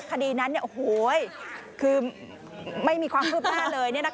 คดีนั้นที่มีความขืบหน้าเลย